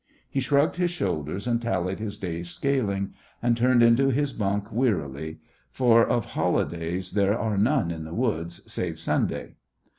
He shrugged his shoulders, and tallied his day's scaling, and turned into his bunk wearily, for of holidays there are none in the woods, save Sunday.